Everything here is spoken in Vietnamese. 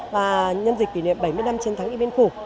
và nhân dịch kỷ niệm bảy mươi năm chiến thắng địa mỹ phổ